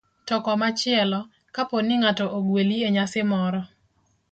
To komachielo, kapo ni ng'ato ogweli e nyasi moro,